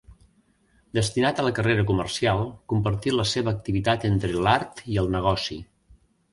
Destinat a la carrera comercial, compartí la seva activitat entre l'art i el negoci.